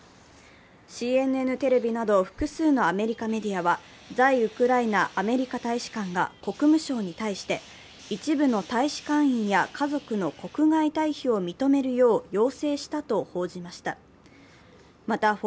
ＣＮＮテレビなど複数のアメリカメディアは在ウクライナ・アメリカ大使館が国務省に対して一部の大使館員や家族の国外退避を認めるよう要請したと報じました。